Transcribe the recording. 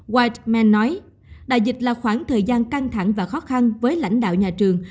white man nói đại dịch là khoảng thời gian căng thẳng và khó khăn với lãnh đạo nhà trường